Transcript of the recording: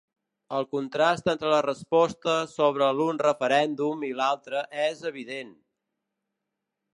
El contrast entre les respostes sobre l’un referèndum i l’altre és evident.